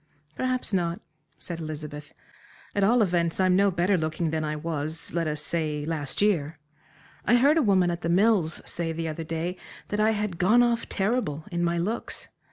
"Perhaps not," said Elizabeth, "at all events, I'm no better looking than I was let us say, last year. I heard a woman at The Mills say the other day that I had "gone off terrible," in my looks.